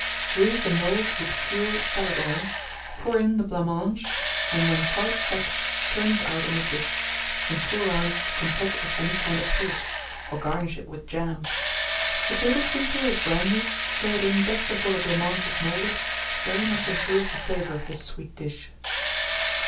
Grease a mould with pure salad oil, pour in the blanc mange, and when quite set, turn it out on a dish, and pour round it a compôte of any kind of fruit, or garnish it with jam. A tablespoonful of brandy, stirred in just before the blanc mange is moulded, very much improves the flavour of this sweet dish.